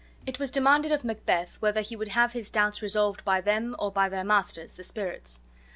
It was demanded of Macbeth whether he would have his doubts resolved by them or by their masters, the spirits.